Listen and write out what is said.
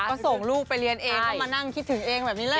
ก็ส่งลูกไปเรียนเองก็มานั่งคิดถึงเองแบบนี้แหละ